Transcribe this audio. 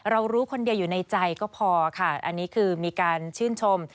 รู้คนเดียวอยู่ในใจก็พอค่ะอันนี้คือมีการชื่นชม